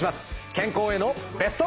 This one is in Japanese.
健康へのベスト。